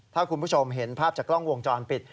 ถ้าคุณผู้ชมเห็นภาพจากกล้องวงจรปิด